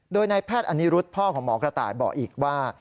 โดยนายแพทย์อนิรุธพ่อของหมอกระต่ายบอกอีกว่า